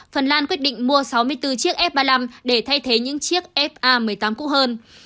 phần lan quyết định mua sáu mươi bốn chiếc f ba mươi năm để thay thế những chiếc f a một mươi tám cũng hơn